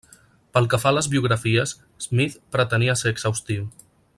Pel que fa a les biografies, Smith pretenia ser exhaustiu.